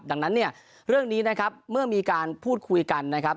ดังนั้นเนี่ยเรื่องนี้นะครับเมื่อมีการพูดคุยกันนะครับ